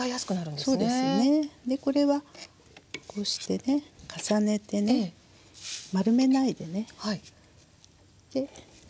これはこうしてね重ねてね丸めないでね。